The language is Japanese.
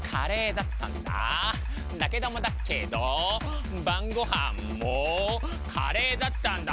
だけどもだけど晩ごはんもカレーだったんだ。